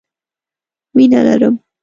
مينه لرم